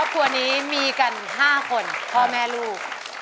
ครอบครัวนี้มีกัน๕คนพ่อแม่ลูก